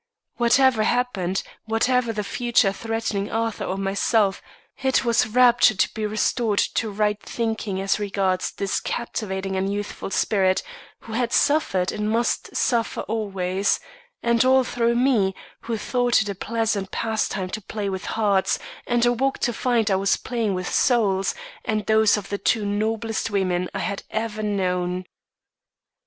Whatever happened, whatever the future threatening Arthur or myself, it was rapture to be restored to right thinking as regards this captivating and youthful spirit, who had suffered and must suffer always and all through me, who thought it a pleasant pastime to play with hearts, and awoke to find I was playing with souls, and those of the two noblest women I had ever known!